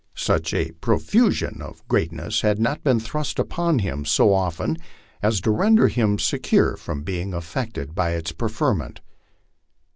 Such a profusion of greatness had not been thrust upon him so often as to render him secure from being affected by his preferment.